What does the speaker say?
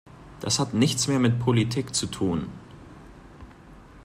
Das hat nichts mehr mit Politik zu tun!